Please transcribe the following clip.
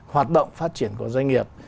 hoạt động phát triển của doanh nghiệp